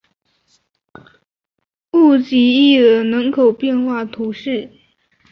乌济伊人口变化图示